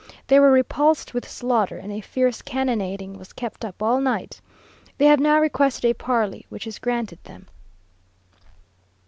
They were repulsed with slaughter, and a fierce cannonading was kept up all night. They have now requested a parley, which is granted them.